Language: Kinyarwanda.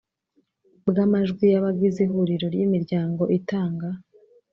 bw amajwi y abagize Ihuriro ry Imiryango itanga